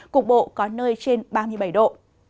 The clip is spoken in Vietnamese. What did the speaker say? cục bộ có nơi trên ba mươi bảy độ